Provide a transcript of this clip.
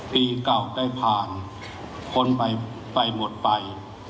ปีเก่าได้ผ่านคนไปหมดไป